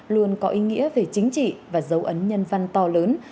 luôn có ý nghĩa về chính trị và dấu ấn nhân văn to lớn